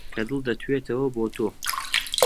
کە دڵ دەتوێتەوە بۆ تۆ